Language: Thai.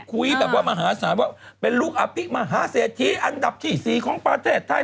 คุยแบบว่ามหาศาลว่าเป็นลูกอภิมหาเศรษฐีอันดับที่๔ของประเทศไทย